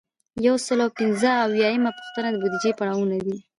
یو سل او پنځه اویایمه پوښتنه د بودیجې پړاوونه دي.